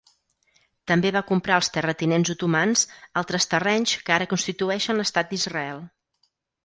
També va comprar als terratinents otomans altres terrenys que ara constitueixen l'Estat d'Israel.